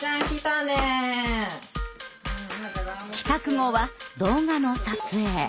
帰宅後は動画の撮影。